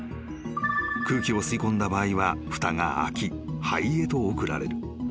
［空気を吸い込んだ場合はふたが開き肺へと送られる］